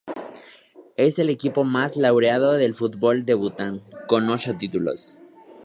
Es el equipo más laureado del fútbol de Bután, con ocho títulos.